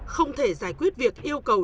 không thể giải quyết việc yêu cầu